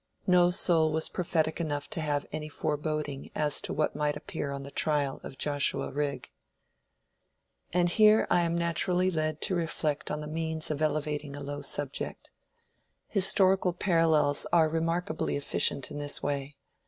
No soul was prophetic enough to have any foreboding as to what might appear on the trial of Joshua Rigg. And here I am naturally led to reflect on the means of elevating a low subject. Historical parallels are remarkably efficient in this way.